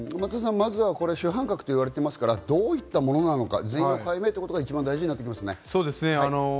まずは主犯格といわれてますが、どういったものなのか全容解明ということが一番大事になってきますね。